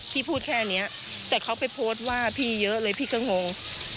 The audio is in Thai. พี่พูดแค่นี้แต่เขาไปโพสต์ว่าพี่เยอะเลยพี่ก็งง